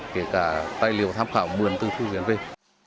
kể cả tài liệu tham khảo bườn tư thư diễn viên